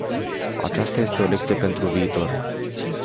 Aceasta este o lecție pentru viitor.